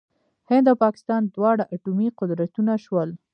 هند او پاکستان دواړه اټومي قدرتونه شول.